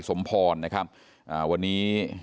นายพิรายุนั่งอยู่ติดกันแบบนี้นะคะ